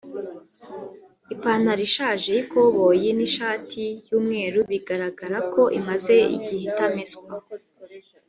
ipantaro ishaje y’ikoboyi n’ishati y’umweru bigaragara ko imaze igihe itameswa